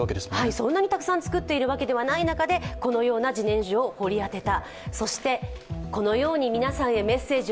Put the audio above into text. そんなにたくさん作っているわけではない中で、このような自然薯を掘り当てた。